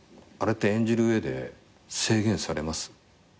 あれって演じる上で制限されます？